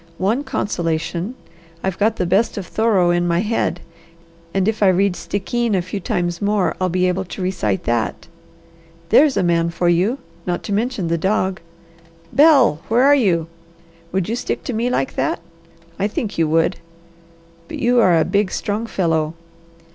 One consolation! I've got the best of Thoreau in my head, and if I read Stickeen a few times more I'll be able to recite that. There's a man for you, not to mention the dog! Bel, where are you? Would you stick to me like that? I think you would. But you are a big, strong fellow.